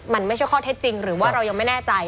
มันไม่ใช่ข้อเท็จจริงหรือว่าเรายังไม่แน่ใจ